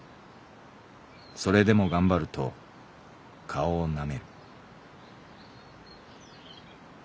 それでも頑張ると顔をなめる」。